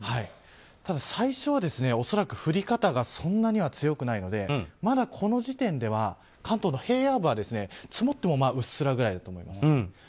ただ、最初は恐らく降り方がそんなには強くないので、まだこの時点では関東の平野部は、積もってもうっすらぐらいだと思います。